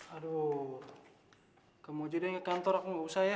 aduh kamu jadi yang ke kantor aku gak usah ya